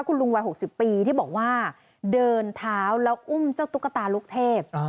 คุณลุงวัย๖๐ปีที่บอกว่าเดินเท้าแล้วอุ้มเจ้าตุ๊กตาลูกเทพ